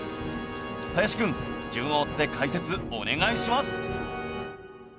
林くん順を追って解説お願いします！